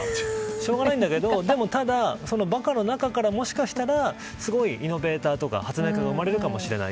しょうがないけどただ馬鹿の中からもしかしたらすごいイノベーターとか発明家が生まれるかもしれない。